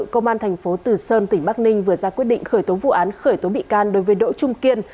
công an thành phố từ sơn tỉnh bắc ninh vừa ra quyết định khởi tố vụ án khởi tố bị can đối với đỗ trung kiên